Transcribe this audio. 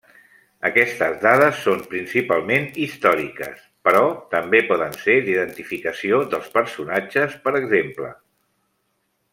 Aquestes dades són principalment històriques, però també poden ser d'identificació dels personatges, per exemple.